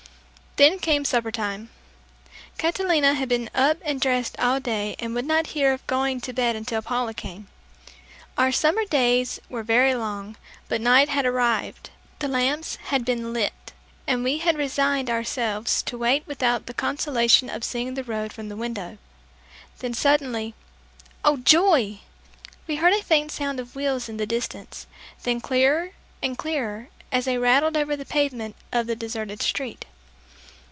Then came supper time. Catalina had been up and dressed all day and would not hear of going to bed until Paula came. Our summer days are very long, but night had arrived, the lamps had been lighted, and we had resigned ourselves to wait without the consolation of seeing the road from the window. Then suddenly Oh, joy! We heard a faint sound of wheels in the distance; then clearer and clearer as they rattled over the pavement of the deserted street.